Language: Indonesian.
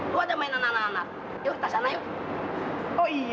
lu ada mainan anak anak